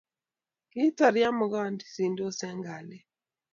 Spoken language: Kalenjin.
kiitar ya makasinsot eng' kalyet